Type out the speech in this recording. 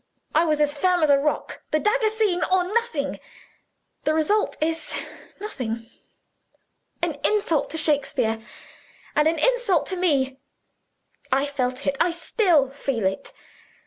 I was as firm as a rock. The dagger scene or nothing. The result is nothing! An insult to Shakespeare, and an insult to Me. I felt it I feel it still.